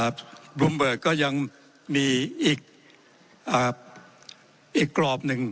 บรมเบิกก็ยังมีอีกกรอบหนึ่ง